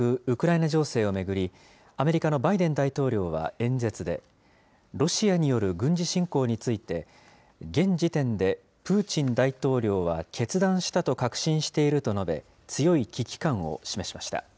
ウクライナ情勢を巡り、アメリカのバイデン大統領は演説で、ロシアによる軍事侵攻について、現時点でプーチン大統領は決断したと確信していると述べ、強い危機感を示しました。